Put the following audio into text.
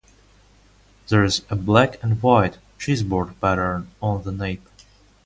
There is a black-and-white chessboard pattern on the nape.